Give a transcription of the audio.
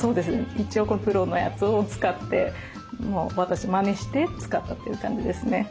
一応プロのやつを使ってまねして使ったという感じですね。